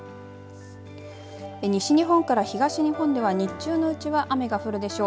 西日本から東日本では日中のうちは雨が降るでしょう。